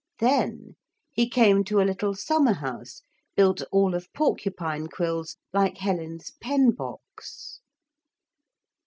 Then he came to a little summer house built all of porcupine quills like Helen's pen box.